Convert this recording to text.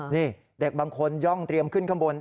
นี่เด็กบางคนย่องเตรียมขึ้นข้างบน